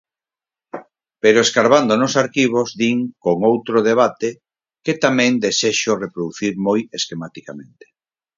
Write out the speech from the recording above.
Pero escarvando nos arquivos din con outro debate que tamén desexo reproducir moi esquematicamente.